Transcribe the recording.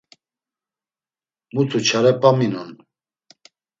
Mutu çare p̌aminon.